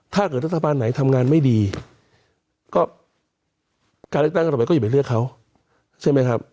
ถ้าเกิดรัฐบาลไหนทำงานไม่ดีก็การเลือกตั้งกันต่อไปก็อย่าไปเลือกเขาใช่ไหมครับ